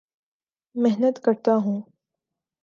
محنت کرتا ہوں